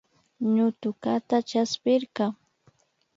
Ñutukata chaspirka